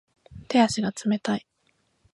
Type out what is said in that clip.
手足が冷たい